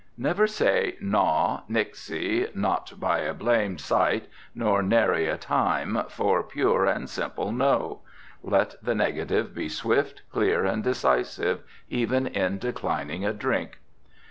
Never say naw, nixy, not by a blamed sight, nor nary a time, for pure and simple no. Let the negative be swift, clear and decisive, even in declining a drink.